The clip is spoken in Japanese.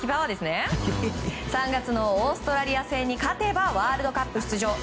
３月のオーストラリア戦に勝てばワールドカップ出場。